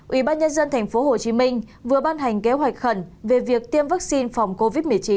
ủy ban nhân dân tp hcm vừa ban hành kế hoạch khẩn về việc tiêm vaccine phòng covid một mươi chín